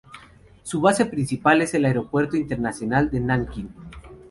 Su base principal es el aeropuerto internacional de Nankín.